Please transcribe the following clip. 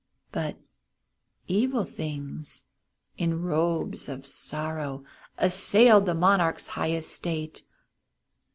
But evil things, in robes of sorrow, Assailed the monarch's high estate.